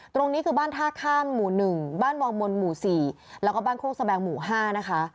ตรงนี้คือบ้านท่าข้ามหมู่หนึ่งบ้านวงมลหมู่สี่แล้วก็บ้านโคกสแบงหมู่ห้านะคะ